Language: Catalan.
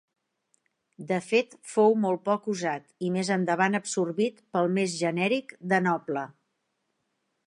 De fet fou molt poc usat i més endavant absorbit pel més genèric de noble.